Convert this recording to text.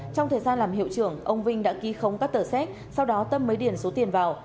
trong thời gian làm hiệu trưởng ông vinh đã ký khống các tờ xét sau đó tâm mới điền số tiền vào